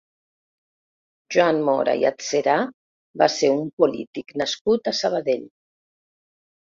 Joan Mora i Adserà va ser un polític nascut a Sabadell.